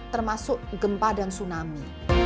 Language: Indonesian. termasuk gempa dan tsunami